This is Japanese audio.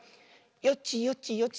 よちよちよち。